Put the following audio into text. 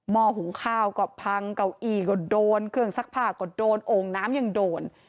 ห้อหุงข้าวก็พังเก้าอี้ก็โดนเครื่องซักผ้าก็โดนโอ่งน้ำยังโดน